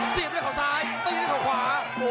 เสียบด้วยเขาซ้ายตีด้วยเขาขวา